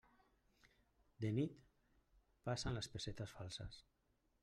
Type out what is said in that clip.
De nit, passen les pessetes falses.